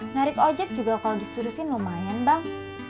narik ojek juga kalau disurusin lumayan bang